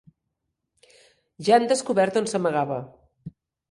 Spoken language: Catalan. Ja han descobert on s'amagava.